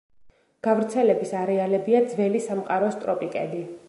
გავრცელების არეალებია ძველი სამყაროს ტროპიკები.